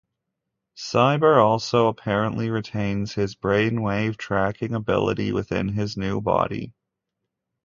Cyber also apparently retains his brainwave tracking ability within his new body.